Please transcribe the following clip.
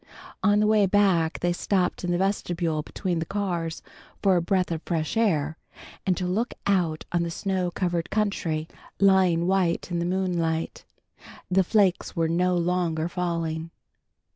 On the way back they stopped in the vestibule between the cars for a breath of fresh air, and to look out on the snow covered country, lying white in the moonlight. The flakes were no longer falling.